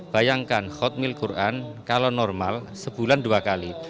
bayangkan khutmil quran kalau normal sebulan dua kali